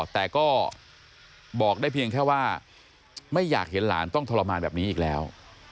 แต่ก็บอกได้เพียงแค่ว่าไม่อยากเห็นหลานต้องทรมานแบบนี้อีกแล้ว